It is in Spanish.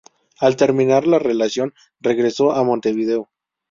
Al terminar la relación, regresó a Montevideo.